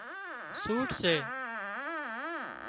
سئوٽ سي